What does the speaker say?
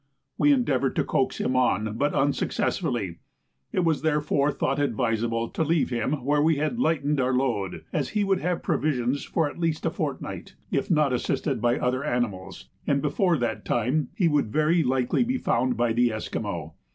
We endeavoured to coax him on, but unsuccessfully; it was therefore thought advisable to leave him where we had lightened our load, as he would have provisions for at least a fortnight, if not assisted by other animals, and before that time he would very likely be found by the Esquimaux.